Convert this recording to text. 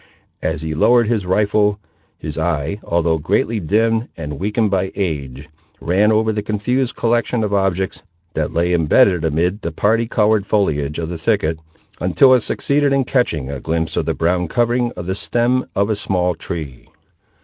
As he lowered his rifle, his eye, although greatly dimmed and weakened by age, ran over the confused collection of objects, that lay embedded amid the party coloured foliage of the thicket, until it succeeded in catching a glimpse of the brown covering of the stem of a small tree.